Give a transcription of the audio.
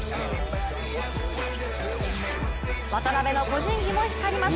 渡邊の個人技も光ります。